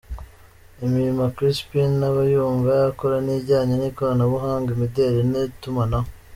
Imirimo Crispin aba yumva yakora ni ijyanye n’ikoranabuhanga, imideli n’ itumanaho.